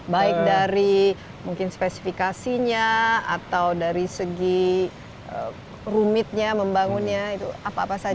baik dari mungkin spesifikasinya atau dari segi rumitnya membangunnya itu apa apa saja